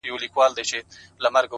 ه کټ مټ لکه ستا غزله _